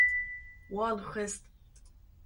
Wan xwest